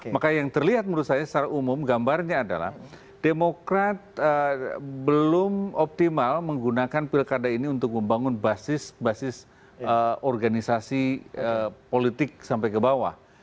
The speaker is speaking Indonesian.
maka yang terlihat menurut saya secara umum gambarnya adalah demokrat belum optimal menggunakan pilkada ini untuk membangun basis basis partainya